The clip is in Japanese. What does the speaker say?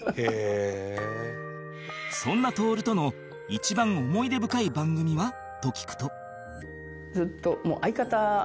そんな徹との一番思い出深い番組は？と聞くと